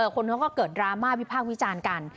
คนเขาก็เกิดดราม่าวิพากษ์วิจารณ์กัน